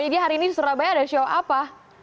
jadi hari ini di surabaya ada show apa